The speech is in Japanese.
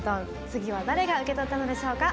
次は誰が受け取ったのでしょうか。